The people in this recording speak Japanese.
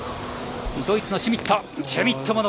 ドイツのシュミット。